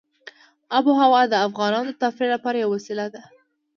آب وهوا د افغانانو د تفریح لپاره یوه وسیله ده.